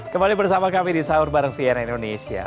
kembali bersama kami di sahur bareng cnn indonesia